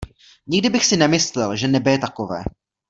Nikdy bych si nemyslel, že nebe je takové.